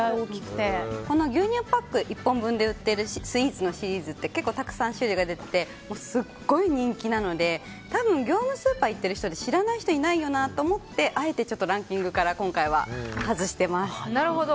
牛乳パック１本分で売ってるスイーツのシリーズって結構たくさん種類が出ててすごい人気なので多分業務スーパー行ってる人で知らない人いないよなと思ってあえてランキングから今回は外してます。